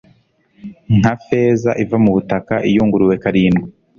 nka feza iva mu butaka, iyunguruwe karindwi